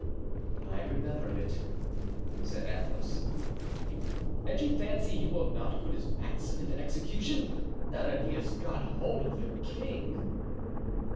'" "I remember it," said Athos. "And you fancy he will not put his maxim into execution, now that he has got hold of the king?"